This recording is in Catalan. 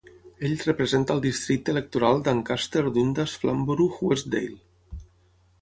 Ell representa el districte electoral d'Ancaster-Dundas- Flamborough-Westdale.